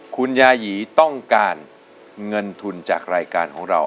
คุณยายีต้องการเงินทุนจากรายการของเรา